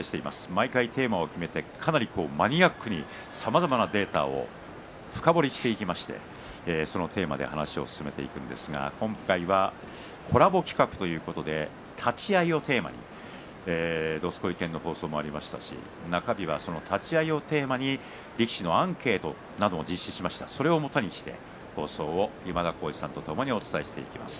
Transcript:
毎回、テーマを決めてかなりマニアックにさまざまなデータを深掘りしていきましてそのテーマで話を進めていきますが、今回はコラボ企画ということで立ち合いをテーマに「どすこい研」の放送もありましたし中日は立ち合いをテーマに力士のアンケートなども実施してそれをもとにして放送を今田耕司さんとともにお伝えしていきます。